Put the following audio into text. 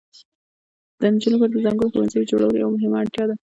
د نجونو لپاره د ځانګړو ښوونځیو جوړول یوه مهمه اړتیا ده.